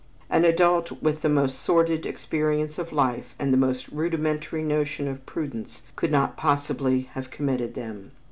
An adult with the most sordid experience of life and the most rudimentary notion of prudence, could not possibly have committed them.